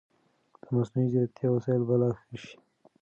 مصنوعي ځیرکتیا وسایل به لا ښه شي.